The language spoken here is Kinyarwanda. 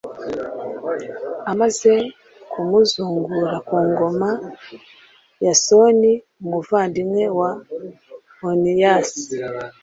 amaze kumuzungura ku ngoma, yasoni, umuvandimwe wa oniyasi